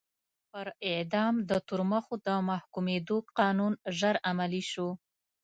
پر اعدام د تورمخو د محکومېدو قانون ژر عملي شو.